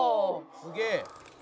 すげえ！